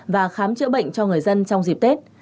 và khám chữa bệnh cho người dân trong dịp tết